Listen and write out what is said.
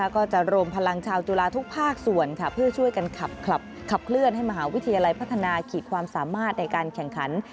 ก็จะรวมพลังชาวจุฬาทุกภาคส่วนเพื่อช่วยกันขับเคลื่อนให้มหาวิทยาลัยพัฒนาขีดความสามารถในการแข่งขัน